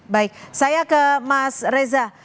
baik saya ke mas reza